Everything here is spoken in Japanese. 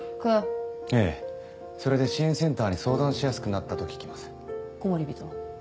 ええそれで支援センターに相談しやすくなったと聞きますコモリビト？